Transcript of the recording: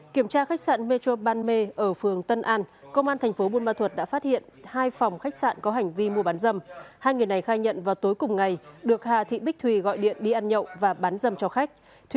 kiểm tra khách sạn metro ban mê ở phường tân an công an thành phố buôn ma thuật đã phát hiện hai phòng khách sạn có hành vi mua bán dâm hai người này khai nhận vào tối cùng ngày được hà thị bích thùy gọi điện đi ăn nhậu và bán dâm cho khách